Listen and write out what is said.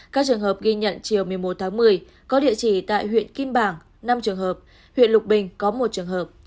các trường hợp ghi nhận chiều một mươi một tháng một mươi có địa chỉ tại huyện kim bảng năm trường hợp huyện lục bình có một trường hợp